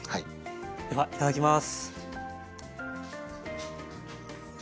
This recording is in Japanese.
ではいただきます。